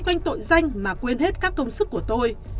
quanh tội danh mà quên hết các công sức của tôi